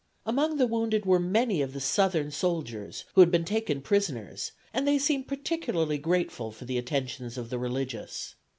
Among the wounded were many of the Southern soldiers, who had been taken prisoners; and they seemed particularly grateful for the attentions of the religious.